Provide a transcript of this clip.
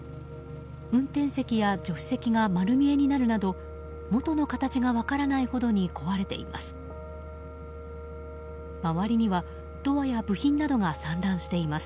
運転席や助手席が丸見えになるなど元の形が分からないほどに壊れています。